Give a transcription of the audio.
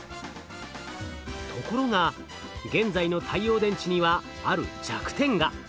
ところが現在の太陽電池にはある弱点が。